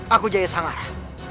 aku jaya sangara